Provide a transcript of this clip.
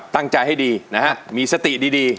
ตั้งใจให้ดีนะฮะมีสติดี